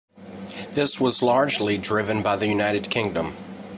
This was largely driven by the United Kingdom.